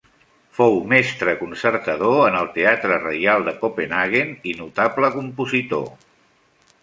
Fou mestre concertador en el Teatre Reial de Copenhaguen i notable compositor.